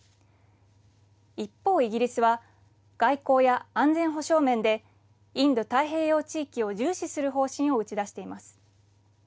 一方、イギリスは外交や安全保障面でインド太平洋地域を重視する方針を打ち出しています。